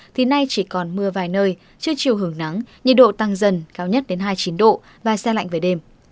thì nay chỉ còn mưa vài nơi chưa chiều hưởng nắng nhiệt độ tăng dần cao nhất đến hai mươi chín độ và xe lạnh về đêm